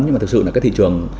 nhưng mà thực sự là cái thị trường